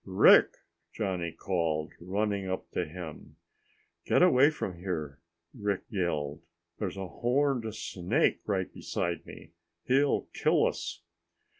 "Rick!" Johnny called, running up to him. "Get away from here," Rick yelled. "There's a horned snake right beside me. He'll kill us!"